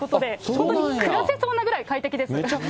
外でも暮らせそうなぐらい快適です。